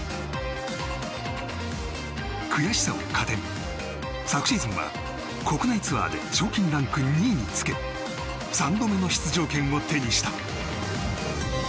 悔しさを糧に昨シーズンは国内ツアーで賞金ランク２位につけ３度目の出場権を手にした。